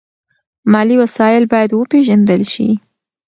مالي وسایل باید وپیژندل شي.